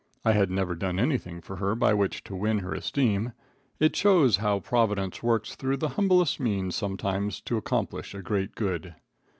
I had never done anything for her by which to win her esteem. It shows how Providence works through the humblest means sometimes to accomplish a great good.